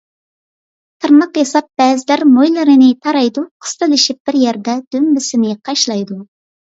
تىرناق ياساپ بەزىلەر مويلىرىنى تارايدۇ، قىستىلىشىپ بىر يەردە دۈمبىسىنى قاشلايدۇ.